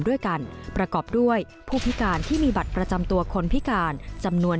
ด้วยกันประกอบด้วยผู้พิการที่มีบัตรประจำตัวคนพิการจำนวน